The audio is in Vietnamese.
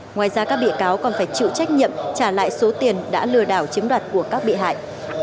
ngoài ra các bị cáo còn phải chịu trách nhiệm trả lại số tiền đã lừa đảo chiếm đoạt của các bị hại